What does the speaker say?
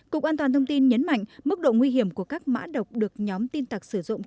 cục an toàn thông tin nhấn mạnh mức độ nguy hiểm của các mã độc được nhóm tin tặc sử dụng